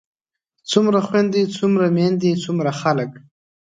څومره خويندے څومره ميايندے څومره خلک